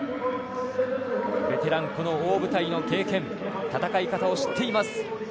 ベテラン、大舞台の経験戦い方を知っています。